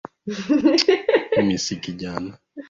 Mimi si kijana